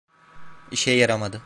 İşe yaramadı.